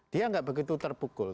dia tidak begitu terpukul